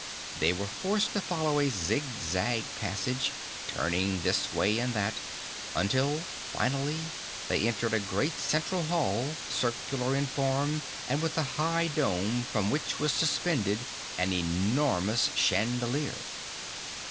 They were forced to follow a zigzag passage, turning this way and that, until finally they entered a great central hall, circular in form and with a high dome from which was suspended an enormous chandelier.